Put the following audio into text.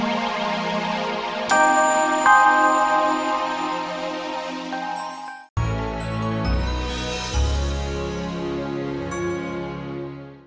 sampai jumpa di lain video